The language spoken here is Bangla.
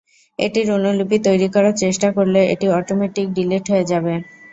এটির অনুলিপি তৈরি করার চেষ্টা করলে এটি অটোমেটিক ডিলিট হয়ে যাবে।